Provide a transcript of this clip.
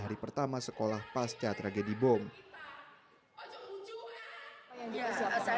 tapi kita akan masuk ke setiap sekolah